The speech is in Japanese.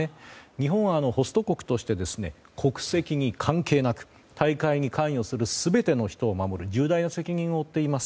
日本はホスト国として国籍に関係なく、大会に関与する全ての人を守る重大な責任を負っています。